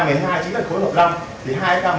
nói sự thật với các anh không có giấu giếm